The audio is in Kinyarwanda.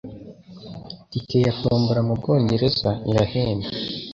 Tike ya Tombora Mubwongereza irahenda